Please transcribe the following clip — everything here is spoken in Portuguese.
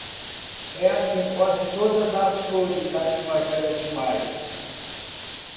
É assim quase todas as flores da primavera de maio.